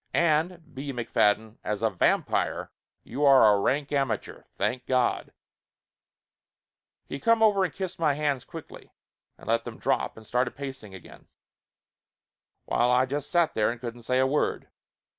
And, B. McFadden, as a vam pire you are a rank amateur thank God !" He come over and kissed my hands quickly, and let them drop and started pacing again, while I just sat there and couldn't say a word.